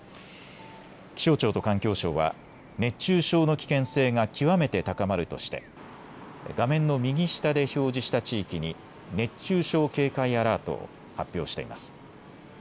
気象庁と環境省は熱中症の危険性が極めて高まるとして画面の右下で表示した地域に熱中症警戒アラートを発表しています。